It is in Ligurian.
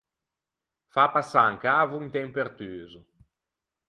Fâ passâ un cavo inte un pertuso.